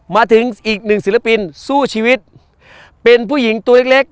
มาถึงอีกหนึ่งศิลปินสู้ชีวิตเป็นผู้หญิงตัวเล็กเล็ก